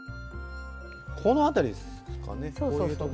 このあたりですかね。